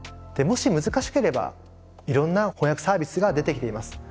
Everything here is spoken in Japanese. でもし難しければいろんな翻訳サービスが出てきています。